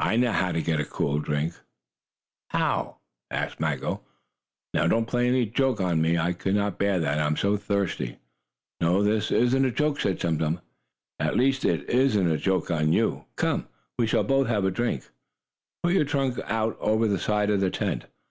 "I know how to get a cool drink." "How?" asked Maggo. "Now, don't play any joke on me. I could not bear that. I am so thirsty!" "No, this isn't a joke," said Tum Tum. "At least it isn't a joke on you. Come, we shall both have a drink. Put your trunk out over the side of the tent.